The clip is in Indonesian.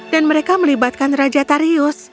dan mereka melibatkan raja tarius